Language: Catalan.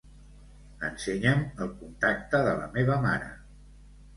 Ensenya'm el contacte de la meva mare.